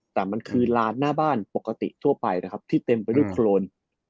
แต่มันคือลานหน้าบ้านปกติทั่วไปนะครับที่เต็มไปด้วยโครน